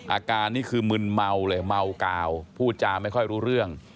อาการนี่คือมึนเมาเลยเมากาวพูดจาไม่ค่อยรู้เรื่อง